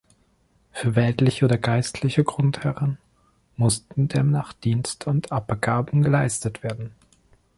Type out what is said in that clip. Für weltliche oder geistliche Grundherren mussten demnach Dienste und Abgaben geleistet werden.